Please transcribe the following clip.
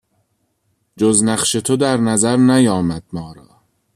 جز نقش تو در نظر نیامد ما را